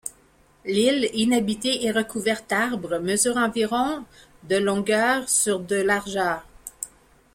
L'île, inhabitée et recouverte d'arbres, mesure environ de longueur sur de largeur.